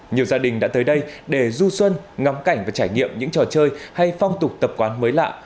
nhiều gia đình đã tới đây để du xuân ngắm cảnh và trải nghiệm những trò chơi hay phong tục tập quán mới lạ